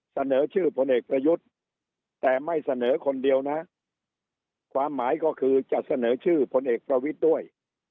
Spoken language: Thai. เสนอชื่อพลเอกประยุทธ์แต่ไม่เสนอคนเดียวนะความหมายก็คือจะเสนอชื่อพลเอกประวิทย์ด้วย